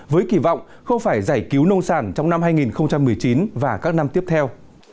với kỳ vọng không phải giải cứu nông sản trong năm hai nghìn một mươi chín và các năm tiếp theo